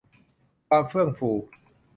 ความเฟื่องฟู